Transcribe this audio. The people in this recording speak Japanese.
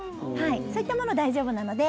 そういったものは大丈夫なので。